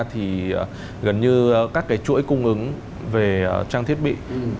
thì gần như các cái chuỗi cung ứng về trang thiết bị